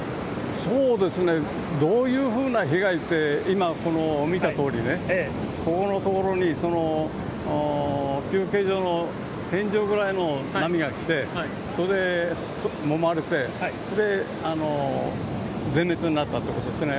そうですね、どういうふうな被害って、今、この見たとおりね、ここの所に、休憩所の天井ぐらいの波が来て、それでもまれて、それで全滅になったということですね。